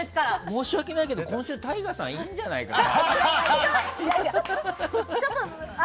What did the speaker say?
申し訳ないけど今週ＴＡＩＧＡさんいいんじゃないかな？